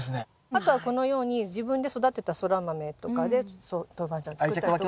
あとはこのように自分で育てたソラマメとかでトウバンジャン作ったりとか。